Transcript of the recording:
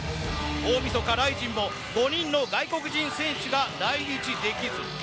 大みそかＲＩＺＩＮも５人の外国人選手が来日できず。